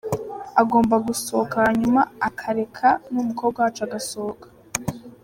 Agomba gusohoka hanyuma akareka n’umukobwa wacu agasohoka.